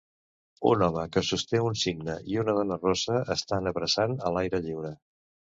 Un home que sosté un signe i una dona rossa estan abraçant a l'aire lliure